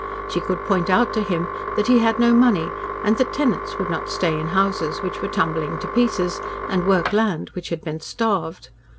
She could point out to him that he had no money, and that tenants would not stay in houses which were tumbling to pieces, and work land which had been starved.